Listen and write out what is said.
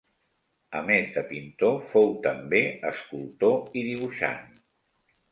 A més de pintor fou també escultor i dibuixant.